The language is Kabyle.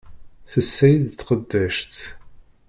Tessa-yi-d tqeddact.